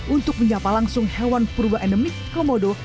untuk menjapa langsung hewan perubahan endemik komodo